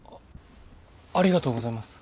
ありがとうございます。